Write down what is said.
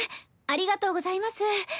ありがとうございます。